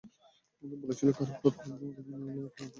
আমাকে বলছিল, খারাপ কথা বন্ধ করো, নইলে মাঝ আকাশেই বিমান বিধ্বস্ত হবে।